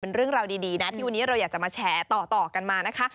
เป็นเรื่องราวดีนะที่วันนี้เราอยากจะมาแชร์ต่อกันมานะคะ